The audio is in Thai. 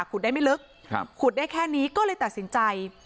ขุดได้ไม่ลึกขุดได้แค่นี้ก็เลยตัดสินใจ